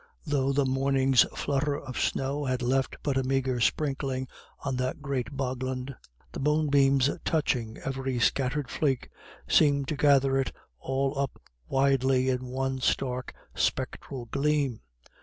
Though the morning's flutter of snow had left but a meagre sprinkling on that great bogland, the moonbeams touching every scattered flake, seemed to gather it all up widely in one stark spectral gleam.